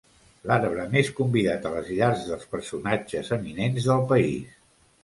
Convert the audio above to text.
L'arbre més convidat a les llars dels personatges eminents del país.